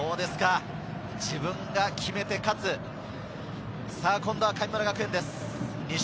自分が決めて勝つ、今度は神村学園です。